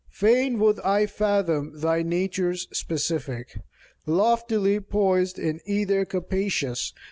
Fain would I fathom thy nature's specific Loftily poised in ether capacious.